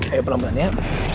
ayo pelan pelan ya